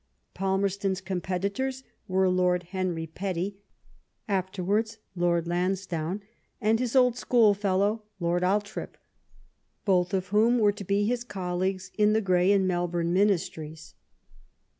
Palmerston's competitors were Lord Henry Petty, afterwards Lord Lansdowne, and his old schoolfellow Lord Althorp, both of whom were to be his colleagues in the Grey and Melbourne ministries ; and LORD PALMEE8T0N AND TORYISM.